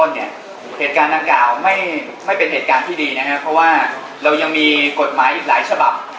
เหตุการณ์ดังกล่าวไม่เป็นเหตุการณ์ที่ดีนะครับเพราะว่าเรายังมีกฎหมายอีกหลายฉบับ